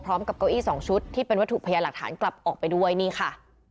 พร้อมกับเก้าอี้๒ชุดที่เป็นวัตถุพยายามหลักฐานกลับออกไปด้วยนี่ค่ะ